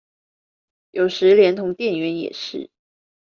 有時連同店員也是